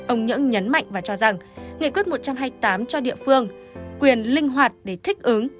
ông nhưỡng nhấn mạnh và cho rằng nghị quyết một trăm hai mươi tám cho địa phương quyền linh hoạt để thích ứng